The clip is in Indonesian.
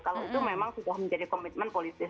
kalau itu memang sudah menjadi komitmen politis